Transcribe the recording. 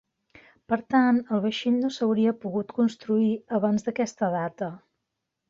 Per tant, el vaixell no s'hauria pogut construir abans d'aquesta data.